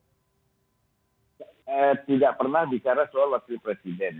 yang bicara wakil presiden itu tidak pernah bicara soal presiden